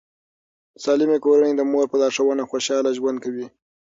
د سالمې کورنۍ د مور په لارښوونه خوشاله ژوند کوي.